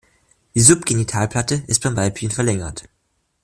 Die Subgenitalplatte ist beim Weibchen verlängert.